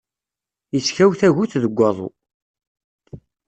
Iskaw tagut deg waḍu.